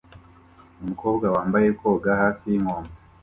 Umukobwa wambaye koga hafi yinkombe